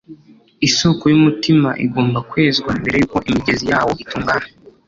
Isoko y’umutima igomba kwezwa mbere yuko imigezi yawo itungana